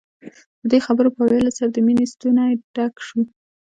د دې خبرو په ويلو سره د مينې ستونی ډک شو.